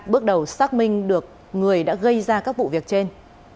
bước đầu xác minh được người đã gây ra các vụ việc trên